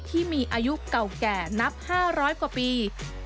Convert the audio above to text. ที่มีอายุเก่าแก่นับ๕๐๐กว่าปี